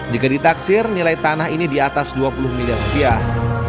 jika ditaksir nilai tanah ini di atas dua puluh miliar rupiah